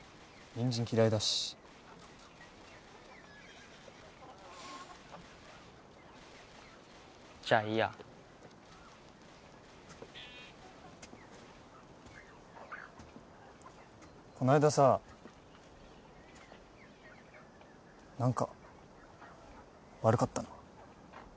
ニンジン嫌いだしじゃあいいやこの間さ何か悪かったな